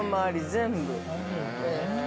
全部。